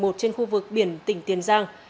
trên khu vực biển tỉnh tiền giang